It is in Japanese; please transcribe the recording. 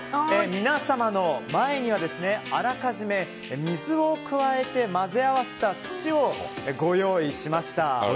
皆様の前には、あらかじめ水を加えて混ぜ合わせた土をご用意しました。